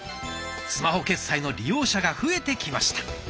スマホ決済の利用者が増えてきました。